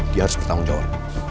dia harus bertanggung jawab